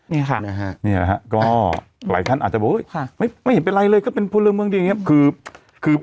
นี่ค่ะนี่ค่ะก็หลายขั้นอาจจะบอกไม่เห็นเป็นไรเลยก็เป็นพูดเรื่องเมืองดีอย่างนี้